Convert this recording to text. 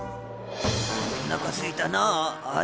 おなかすいたなあ。